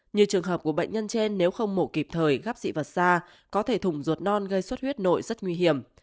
như trường hợp của bệnh nhân trên nếu không mổ kịp thời gắp dị vật xa có thể thủng ruột non gây suốt huyết nội rất nguy hiểm